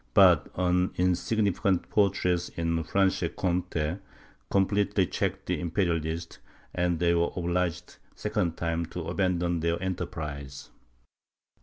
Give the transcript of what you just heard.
But an insignificant fortress in Franche Comte completely checked the Imperialists, and they were obliged, a second time, to abandon their enterprise.